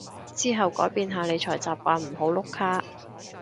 之後改變下理財習慣唔好碌卡